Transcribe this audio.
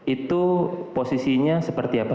itu posisinya seperti apa